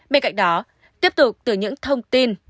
bên cạnh đó tiếp tục từ những thông tin